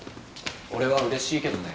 俺はうれしいけどね。